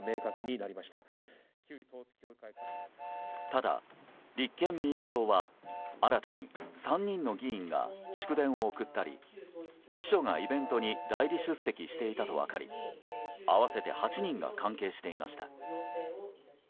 ただ、立憲民主党は新たに３人の議員が祝電を送ったり秘書がイベントに代理出席していたと分かり合わせて８人が関係していました。